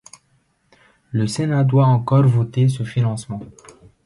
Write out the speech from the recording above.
Le Sénat doit encore voter ce financement.